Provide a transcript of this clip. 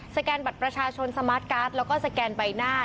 แกนบัตรประชาชนสมาร์ทการ์ดแล้วก็สแกนใบหน้า